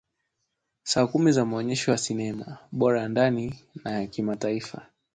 siku kumi za maonyesho ya sinema bora ya ndani na ya kimataifa